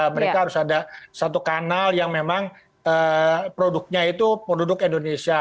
mereka harus ada satu kanal yang memang produknya itu produk indonesia